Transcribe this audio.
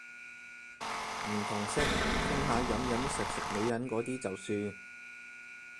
唔同色，傾下飲飲食食女人嗰啲就算